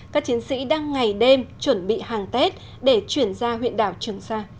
các chiến sĩ đang ngày đêm chuẩn bị hàng tết để chuyển ra huyện đảo trường sa